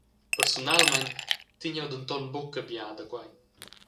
Persunalmein tegn jeu denton buca ton bia da quei.